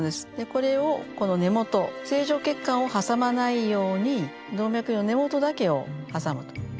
これをこの根元正常血管を挟まないように動脈瘤の根元だけを挟むと。